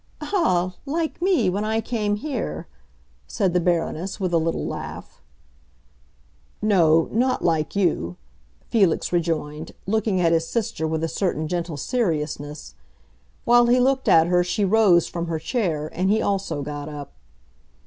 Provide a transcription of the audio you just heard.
"Ah, like me, when I came here!" said the Baroness, with a little laugh. "No, not like you," Felix rejoined, looking at his sister with a certain gentle seriousness. While he looked at her she rose from her chair, and he also got up.